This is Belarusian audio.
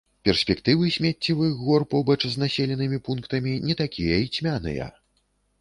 Перспектывы смеццевых гор побач з населенымі пунктамі не такія і цьмяныя.